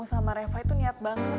terima kasih b